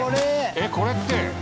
えっこれって。